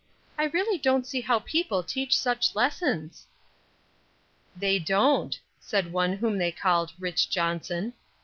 "I really don't see how people teach such lessons." "They don't," said one whom they called "Rich. Johnson."